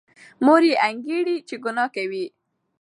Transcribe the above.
مور یې انګېري چې ګناه کوي.